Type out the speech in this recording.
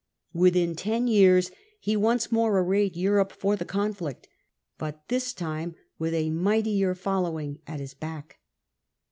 Within ten years he once more arrayed Europe for the conflict, but this time with a mightier following at his back.